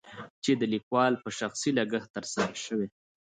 چې دليکوال په شخصي لګښت تر سره شوي.